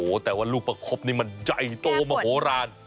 โอ้โฮแต่ว่าลูกปะขบนี่มันใหญ่โตมากโหรษ